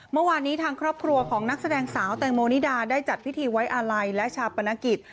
เมื่อวานนี้ทางครอบครัวของนักแสดงสาวแตงโมนิดาได้จัดพิธีไว้อาลัยและชาปนกิจ